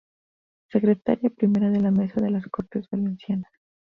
Secretaria Primera de la Mesa de las Cortes Valencianas.